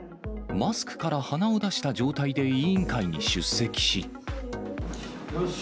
マスクから鼻を出した状態で委員会に出席し。